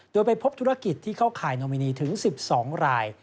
โดยไปพบธุรกิจที่เข้าข่ายโนมินีถึง๑๒ราย